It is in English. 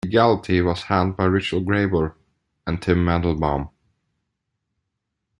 Legality was handled by Richard Grable and Tim Mandelbaum.